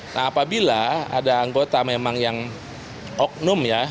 nah apabila ada anggota memang yang oknum ya